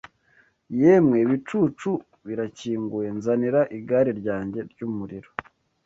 Yemwe ibicu birakinguye! Nzanira igare ryanjye ry'umuriro